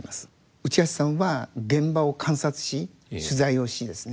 内橋さんは現場を観察し取材をしですね